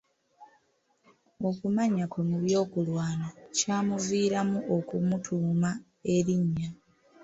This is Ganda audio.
Okumanya kwe mu by'okulwana kyamuviiramu okumutuuma erinnya.